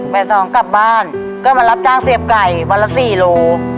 สองกลับบ้านก็มารับจ้างเสียบไก่วันละ๔โล